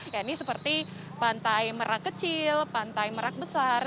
ya ini seperti pantai merak kecil pantai merak besar